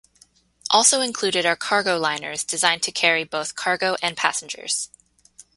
Also included are cargo liners designed to carry both cargo and passengers.